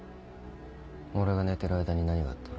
俺が寝てる間に何があった？